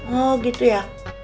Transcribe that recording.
oh gitu ya